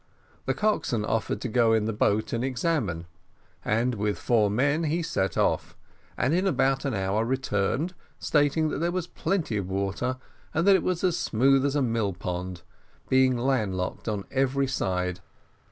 The coxswain offered to go in the boat and examine; and, with four men, he set off, and in about an hour returned, stating that there was plenty of water, and that it was as smooth as a mill pond, being land locked on every side.